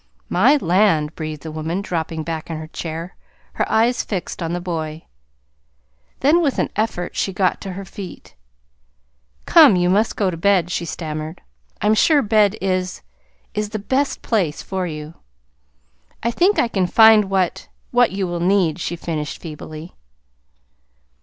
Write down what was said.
"My land!" breathed the woman, dropping back in her chair, her eyes fixed on the boy. Then, with an effort, she got to her feet. "Come, you must go to bed," she stammered. "I'm sure bed is is the best place you. I think I can find what what you need," she finished feebly.